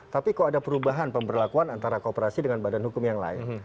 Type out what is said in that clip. tapi kok ada perubahan pemberlakuan antara kooperasi dengan badan hukum yang lain